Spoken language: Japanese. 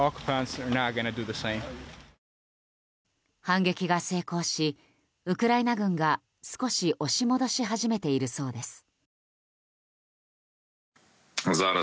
反撃が成功しウクライナ軍が少し押し戻し始めているそうです。